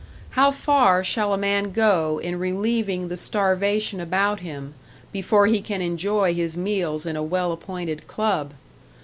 How far shall a man go in relieving the starvation about him, before he can enjoy his meals in a well appointed club?